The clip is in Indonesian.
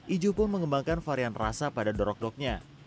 iju pun mengembangkan varian rasa pada dorok doknya